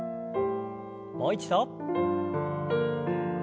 もう一度。